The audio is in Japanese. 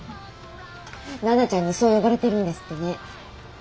奈々ちゃんにそう呼ばれてるんですってね。